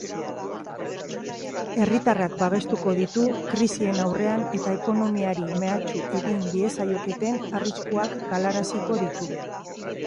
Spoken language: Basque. Herritarrak babestuko ditu krisien aurrean eta ekonomiari mehatxu egin diezaioketen arriskuak galaraziko ditu.